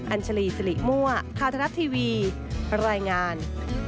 อัญชลีสิริมั่วข่าวทรัฐทีวีรายงาน